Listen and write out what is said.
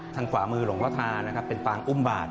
ทางขวามือหลวงพ่อทานะครับเป็นปางอุ้มบาท